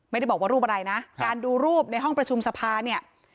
ไม่ได้บอกว่ารูปอะไรนะการดูรูปในห้องประชุมสภาเนี่ย